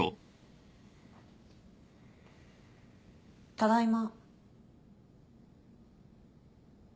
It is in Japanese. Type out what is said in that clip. ただいま。